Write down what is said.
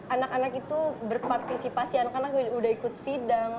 anak anak itu berpartisipasi anak anak udah ikut sidang